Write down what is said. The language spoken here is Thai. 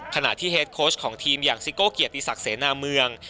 ขณะที่เฮดโค้ชของทีมอย่างซิโก้เกียรติศักดิ์เสนาเมือง